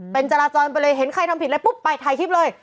เป็นจราจรไปเลยเห็นใครทำผิดอะไรปุ๊บไปถ่ายคลิปเลย